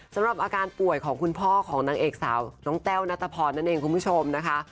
สำหรับอาการป่วยของคุณพ่อของนางเอกสาวน้องแต้วนัทพรนั่นเองคุณผู้ชมนะคะ